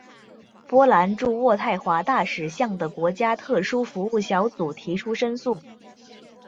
波兰驻渥太华大使向的国家特殊服务小组提出申诉。